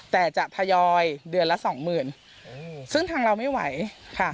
แต่จะทยอยเดือนละสองหมื่นซึ่งทางเราไม่ไหวค่ะ